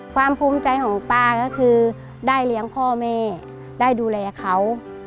ภูมิใจของป้าก็คือได้เลี้ยงพ่อแม่ได้ดูแลเขา